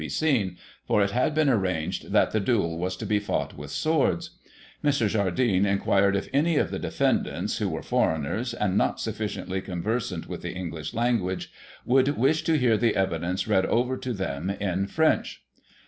be seen; for it had been arranged that the duel was to be fought with swords Mr. Jardine inquired if any of the defendants, who were Digiti ized by Google 124 GOSSIP. [1840 foreigners, and not sufficiently conversant with the English language, would wish to hear the evidence read over to them in French